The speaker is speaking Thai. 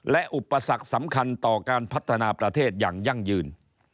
และอุปสรรคสำคัญต่อการพัฒนาประเทศอย่างยั่งยืน